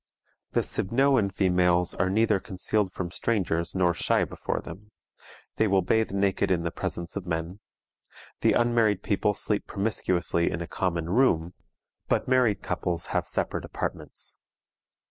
The Sibnouan females are neither concealed from strangers nor shy before them. They will bathe naked in the presence of men. The unmarried people sleep promiscuously in a common room, but married couples have separate apartments.